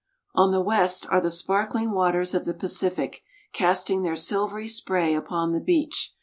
On the west are the sparkling waters of the Pacific, casting their silvery spray upon the beach.